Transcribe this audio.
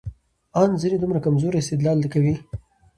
ان ځينې دومره کمزورى استدلال کوي،